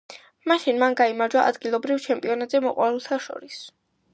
მაშინ მან გაიმარჯვა ადგილობრივ ჩემპიონატზე მოყვარულთა შორის.